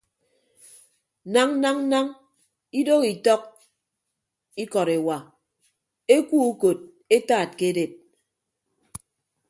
Nañ nañ nañ idooho itọk ikọt ewa ekuo ukot etaat ke edet.